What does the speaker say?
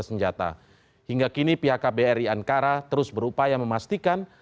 sehingga kini pihak kbri ankara terus berupaya memastikan